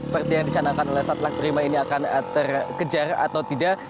seperti yang dicanangkan oleh satlak prima ini akan terkejar atau tidak